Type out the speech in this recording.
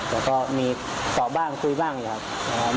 แต่ก็มีตอบบ้างคุยบ้างอยู่ครับ